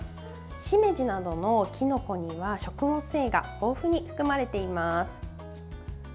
しめじなどのきのこには食物繊維が豊富に含まれています。